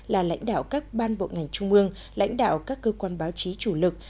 là lãnh đạo các ban bộ ngành trung ương lãnh đạo các cơ quan báo chí chủ lực